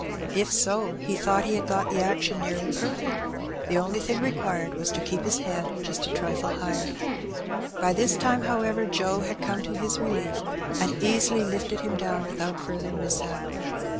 If so, he thought he had got the action nearly perfect, the only thing required was to keep his head just a trifle higher.'' By this time, however, Joe had come to his relief, and easily lifted him down without further mishap.